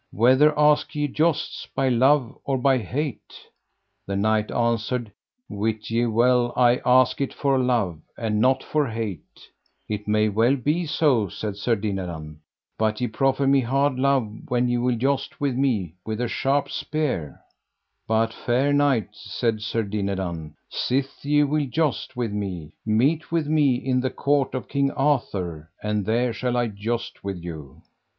Whether ask ye jousts, by love or by hate? The knight answered: Wit ye well I ask it for love, and not for hate. It may well be so, said Sir Dinadan, but ye proffer me hard love when ye will joust with me with a sharp spear. But, fair knight, said Sir Dinadan, sith ye will joust with me, meet with me in the court of King Arthur, and there shall I joust with you. Well, said the knight, sith ye will not joust with me, I pray you tell me your name.